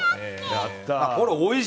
やった！